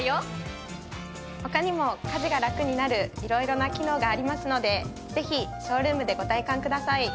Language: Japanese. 他にも家事が楽になる色々な機能がありますのでぜひショールームでご体感ください。